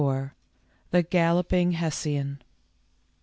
THE GALLOPING HESSIAN.